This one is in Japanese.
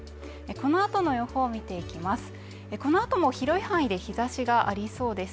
このあとの予報見ていきます